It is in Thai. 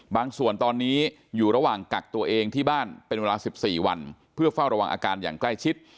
ส่วนตอนนี้อยู่ระหว่างกักตัวเองที่บ้านเป็นเวลา๑๔วันเพื่อเฝ้าระวังอาการอย่างใกล้ชิด